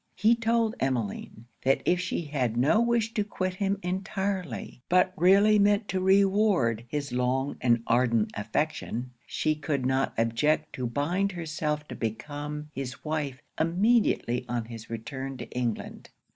He told Emmeline, that if she had no wish to quit him entirely, but really meant to reward his long and ardent affection, she could not object to bind herself to become his wife immediately on his return to England.